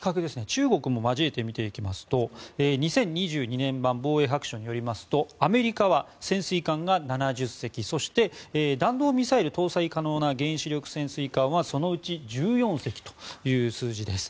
中国も交えて見ていきますと２０２２年版の防衛白書によりますとアメリカは潜水艦が７０隻そして、弾道ミサイル搭載可能な原子力潜水艦はそのうち１４隻という数字です。